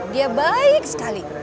dia baik sekali